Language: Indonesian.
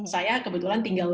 saya kebetulan tinggal